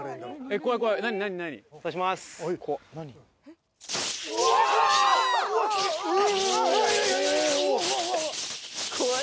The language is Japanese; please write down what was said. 怖い怖い！